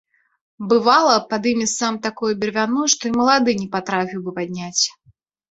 Бывала, падыме сам такое бервяно, што і малады не патрапіў бы падняць.